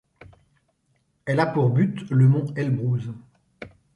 Elle a pour but le mont Elbrouz.